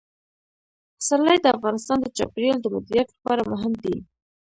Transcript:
پسرلی د افغانستان د چاپیریال د مدیریت لپاره مهم دي.